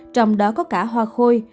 trong đó có cả hoa khôi